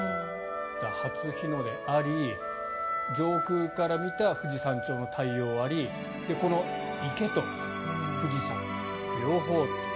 初日の出あり上空から見た富士山頂の太陽ありそしてこの池と富士山両方という。